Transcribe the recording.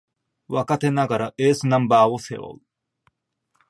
若手ながらエースナンバーを背負う